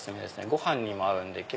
ご飯にも合うんで。